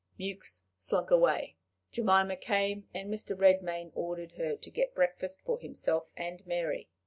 Mewks slunk away. Jemima came, and Mr. Redmain ordered her to get breakfast for himself and Mary.